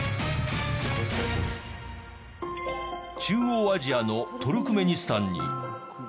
中央アジアのトルクメニスタンに。